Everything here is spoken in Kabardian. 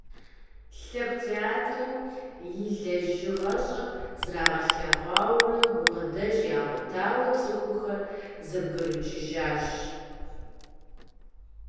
Лъэпкъ театрым и лэжьыгъэщӏэр зрагъэлъэгъуарэ гукъыдэж ягъуэтауэ, цӏыхухэр зэбгрыкӏыжащ.